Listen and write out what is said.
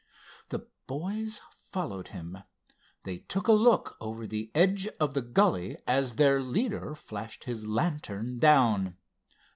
The boys followed him. They took a look over the edge of the gully as their leader flashed his lantern down.